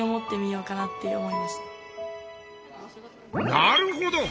なるほど！